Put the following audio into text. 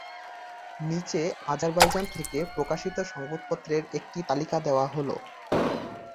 নীচে আজারবাইজান থেকে প্রকাশিত সংবাদপত্রের একটি তালিকা দেওয়া হলোঃ